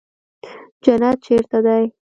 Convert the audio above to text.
جنت چېرته دى.